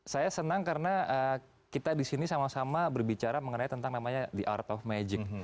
saya senang karena kita disini sama sama berbicara mengenai tentang namanya the art of magic